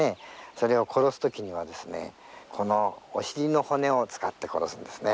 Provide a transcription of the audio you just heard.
それを殺すときにはこのお尻の骨を使って殺すんですね。